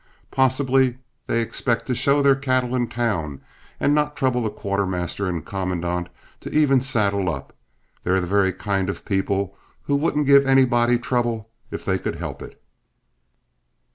Possibly they expect to show their cattle in town, and not trouble the quartermaster and comandante to even saddle up they're the very kind of people who wouldn't give anybody trouble if they could help it.